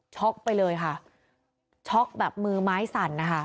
ไปเลยค่ะช็อกแบบมือไม้สั่นนะคะ